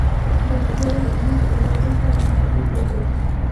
دا مزد د لازم کار په مقابل کې ورکول کېږي